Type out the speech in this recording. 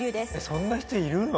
そんな人いるの？